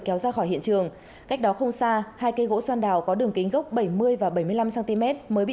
dùng vào hiện trường cách đó không xa hai cây gỗ xoan đào có đường kính gốc bảy mươi và bảy mươi năm cm mới bị